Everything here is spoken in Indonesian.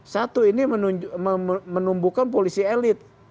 satu ini menumbuhkan polisi elit